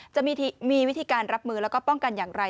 จะมีวิธีการรับมือแล้วก็ป้องกันอย่างไร